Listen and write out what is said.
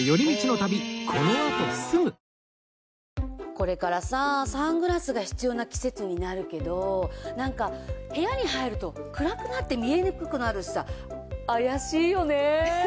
これからさサングラスが必要な季節になるけどなんか部屋に入ると暗くなって見えにくくなるしさ怪しいよね。